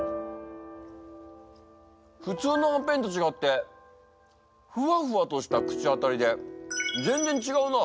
普通のはんぺんと違ってふわふわとした口当たりで全然違うな。